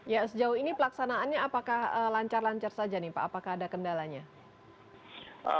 ya sejauh ini pelaksanaannya apakah lancar lancar saja nih pak apakah ada kendalanya